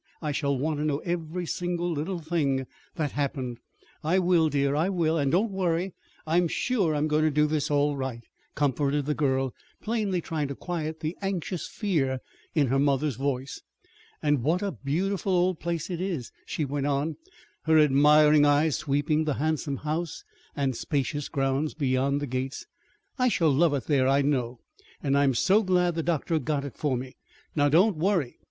I shall want to know every single little thing that's happened!" "I will, dear, I will. And don't worry. I'm sure I'm going to do all right," comforted the girl, plainly trying to quiet the anxious fear in her mother's voice. "And what a beautiful old place it is!" she went on, her admiring eyes sweeping the handsome house and spacious grounds beyond the gates. "I shall love it there, I know. And I'm so glad the doctor got it for me. Now, don't worry!"